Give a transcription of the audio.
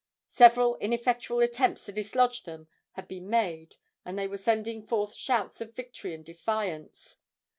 Several ineffectual attempts to dislodge them had been made, and they were sending forth shouts of victory and defiance.